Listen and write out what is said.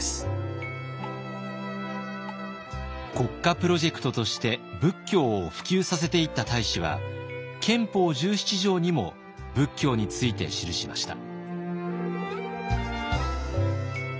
国家プロジェクトとして仏教を普及させていった太子は憲法十七条にも仏教について記しました。